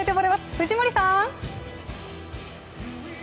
藤森さーん！